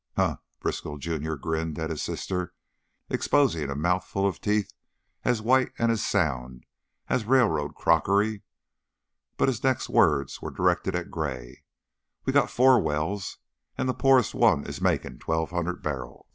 "Huh!" Briskow, junior, grinned at his sister, exposing a mouth full of teeth as white and as sound as railroad crockery, but his next words were directed at Gray: "We got four wells and the p'orest one is makin' twelve hundred bar'l."